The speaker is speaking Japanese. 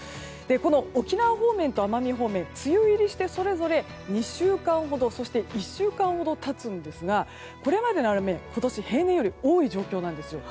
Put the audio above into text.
この沖縄方面と奄美方面は梅雨入りしてそれぞれ２週間ほどそして１週間ほど経つんですがこれまでの雨、今年は平年より多い状況なんですよ。